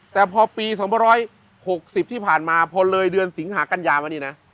แต่พอปี๒๖๐ที่ผ่านมาพอเลยเดือนสิงหากัญญามานี่นะ